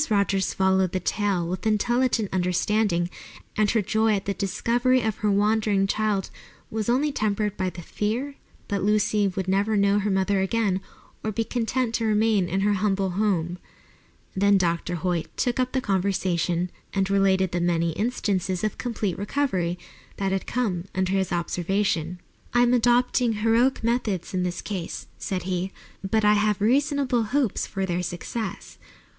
Rogers followed the tale with intelligent understanding, and her joy at the discovery of her wandering child was only tempered by the fear that Lucy would never know her mother again or be content to remain in her humble home. Then Dr. Hoyt took up the conversation and related the many instances of complete recovery that had come under his observation. "I am adopting heroic methods in this case," said he, "but I have reasonable hopes of their success.